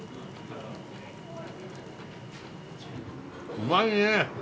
うまいね！